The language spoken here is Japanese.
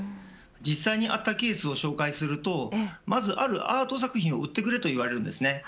実際にあったケースを紹介するとあるアート作品を売ってくれと言われます。